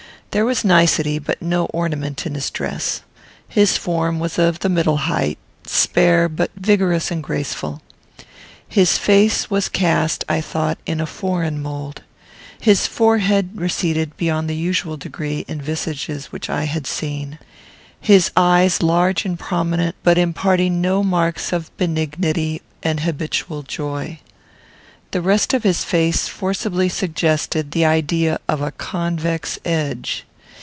There was nicety but no ornament in his dress. His form was of the middle height, spare, but vigorous and graceful. His face was cast, I thought, in a foreign mould. His forehead receded beyond the usual degree in visages which I had seen. His eyes large and prominent, but imparting no marks of benignity and habitual joy. The rest of his face forcibly suggested the idea of a convex edge.